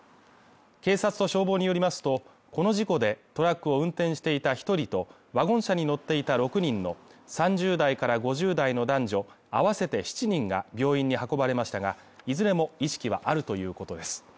警察と消防によりますと、この事故でトラックを運転していた１人とワゴン車に乗っていた６人の３０代から５０代の男女あわせて７人が病院に運ばれましたが、いずれも意識はあるということです。